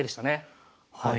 はい。